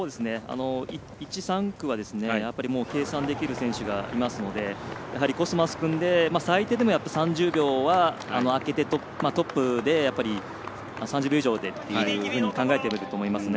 １、３区は計算できる選手がいますのでやはりコスマス君で、最低でも３０秒はあけてトップでと考えていると思いますね。